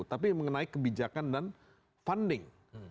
tapi mengenai kebijakan dan funding